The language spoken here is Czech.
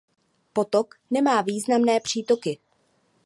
Potok nemá významné přítoky.